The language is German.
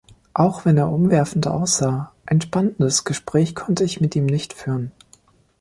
Auch wenn er umwerfend aussah, ein spannendes Gespräch konnte ich mit ihm nicht führen.